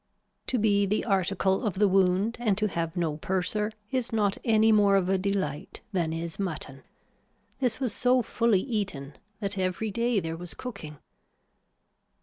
To be the article of the wound and to have no purser is not any more of a delight than is mutton. This was so fully eaten that every day there was cooking.